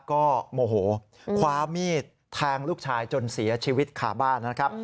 ก็โมโหคว้ามีดแทงลูกชายจนเสียชีวิตขาบ้านนะครับ